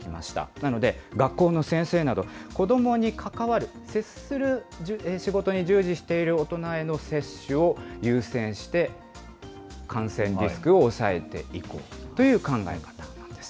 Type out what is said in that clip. なので、学校の先生など、子どもに関わる、接する仕事に従事している大人への接種を優先して、感染リスクを抑えていこうという考え方なんです。